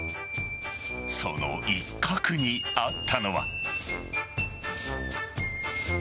その一角にあったのは。